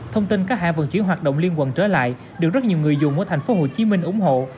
thông tin các hãng vận chuyển hoạt động liên quận trở lại được rất nhiều người dùng của thành phố hồ chí minh ủng hộ